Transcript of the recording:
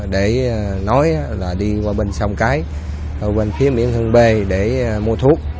để nói là đi qua bên sông cái ở bên phía miễn hương b để mua thuốc